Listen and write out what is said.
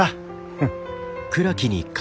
フッ。